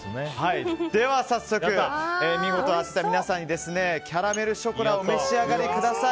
では早速、見事当てた皆さんキャラメルショコラお召し上がりください。